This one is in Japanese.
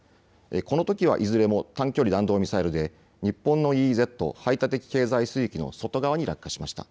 このときは、いずれも短距離弾道ミサイルで日本のＥＥＺ・排他的経済水域の外側に落下しました。